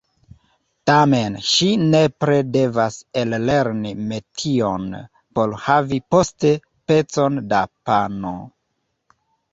Tamen ŝi nepre devas ellerni metion, por havi poste pecon da pano.